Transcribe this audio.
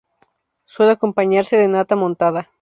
Suele acompañarse de nata montada.